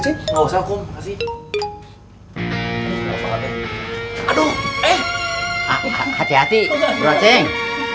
hai aduh eh hati hati berasik